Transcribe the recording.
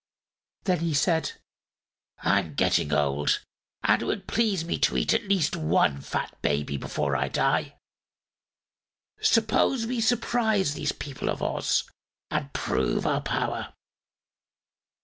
Then he said: "I'm getting old, and it would please me to eat at least one fat baby before I die. Suppose we surprise these people of Oz and prove our power.